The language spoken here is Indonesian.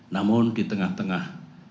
namun di tengah tengah